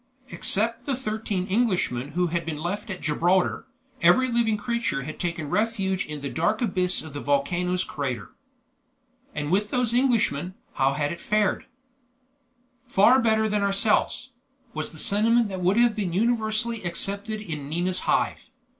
Except the thirteen Englishmen who had been left at Gibraltar, every living creature had taken refuge in the dark abyss of the volcano's crater. And with those Englishmen, how had it fared? "Far better than with ourselves," was the sentiment that would have been universally accepted in Nina's Hive.